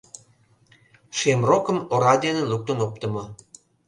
Шемрокым ора дене луктын оптымо.